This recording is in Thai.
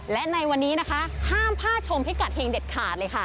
และในวันนี้นะคะห้ามพลาดชมพิกัดเฮงเด็ดขาดเลยค่ะ